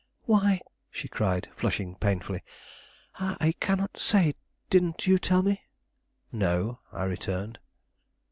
"Why," she cried, flushing painfully; "I cannot say; didn't you tell me?" "No," I returned.